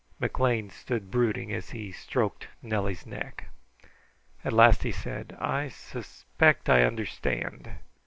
McLean sat brooding as he stroked Nellie's neck. At last he said: "I suspect I understand.